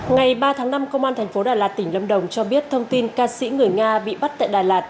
ngày ba tháng năm công an thành phố đà lạt tỉnh lâm đồng cho biết thông tin ca sĩ người nga bị bắt tại đà lạt